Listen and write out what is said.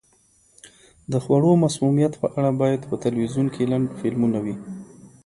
د خوړو مسمومیت په اړه باید په تلویزیون کې لنډ فلمونه وي.